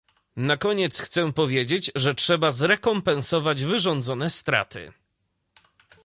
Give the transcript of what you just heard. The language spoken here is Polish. Na koniec chcę powiedzieć, że trzeba zrekompensować wyrządzone straty